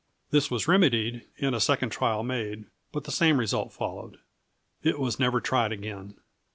This was remedied, and a second trial made, but the same result followed. It was never tried again.